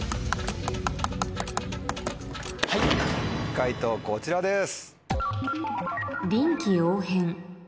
解答こちらです。